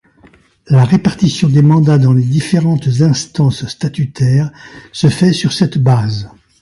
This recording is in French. La répartition des mandats dans les différentes instances statutaires se fait sur cette base.